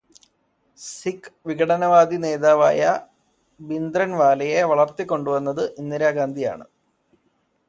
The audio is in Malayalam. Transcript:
സിഖ് വിഘടനവാദി നേതാവായ ഭിന്ദ്രന്വാലയെ വളര്ത്തിക്കൊണ്ടുവന്നത് ഇന്ദിരാഗാന്ധിയാണ്.